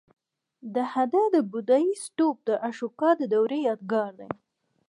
د هده د بودایي ستوپ د اشوکا د دورې یادګار دی